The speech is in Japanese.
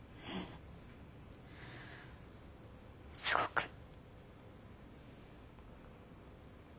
すごく。